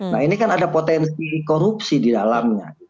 nah ini kan ada potensi korupsi di dalamnya